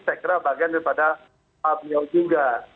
saya kira bagian daripada pak biaw juga